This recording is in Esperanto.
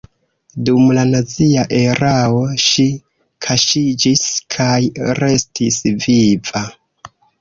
Dum la nazia erao ŝi kaŝiĝis kaj restis viva.